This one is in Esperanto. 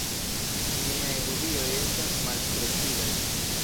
Miaj hobioj estas malstreĉigaj.